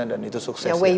dan itu suksesnya